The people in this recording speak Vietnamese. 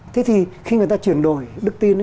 thế thì khi người ta chuyển đổi đức tin